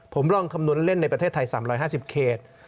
ผมลองคำนวณเล่นในประเทศไทย๓๕๐เขต